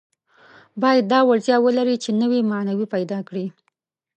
باید دا وړتیا ولري چې نوي معناوې پیدا کړي.